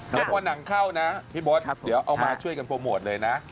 เดี๋ยวพอหนังเข้านะพี่เบิร์ตเดี๋ยวเอามาช่วยกันโปรโมทเลยนะ